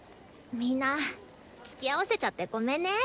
みんなつきあわせちゃってごめんね。